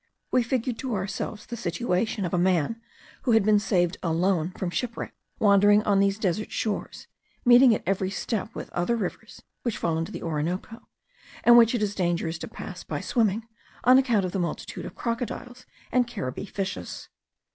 We figured to ourselves the situation of a man who had been saved alone from shipwreck, wandering on these desert shores, meeting at every step with other rivers which fall into the Orinoco, and which it is dangerous to pass by swimming, on account of the multitude of crocodiles and caribe fishes.